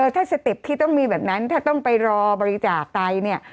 ถ้าสเต็ปที่ต้องมีแบบนั้นถ้าต้องไปรอบริจาคไตเนี่ย